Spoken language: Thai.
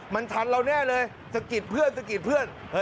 มันทันเราแน่เลยสกิร์ทเพื่อน